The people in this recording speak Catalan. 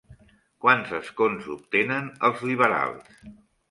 Quants escons obtenen els liberals?